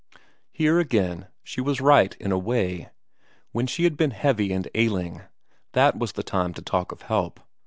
Here, again, she was right in a way; when she had been heavy and ailing that was the time to talk of help.